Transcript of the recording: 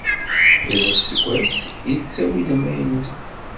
Yal asggas yettawi-d amaynut.